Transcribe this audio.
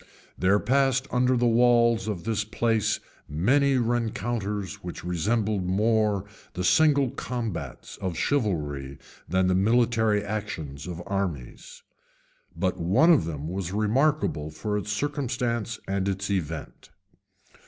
There passed under the walls of this place many rencounters which resembled more the single combats of chivalry than the military actions of armies; but one of them was remarkable for its circumstances and its event.